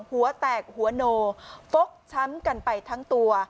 หัวแตกหัวโนฟกช้ำกันไปทั้งตัว